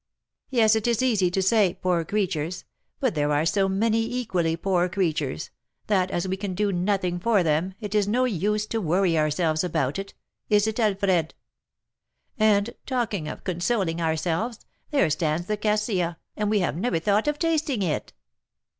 "Yes, it is easy to say poor creatures, but there are so many equally poor creatures, that, as we can do nothing for them, it is no use to worry ourselves about it, is it, Alfred? And, talking of consoling ourselves, there stands the cassia, and we have never thought of tasting it."